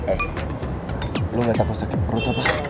eh lo gak takut sakit perut apa